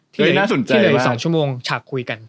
ที่เหลือ๒ชั่วโมงฉากคุยกัน